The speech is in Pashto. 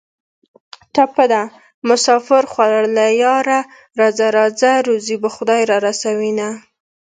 ټپه ده: مسافرو خوړلیه یاره راځه راځه روزي به خدای را رسوینه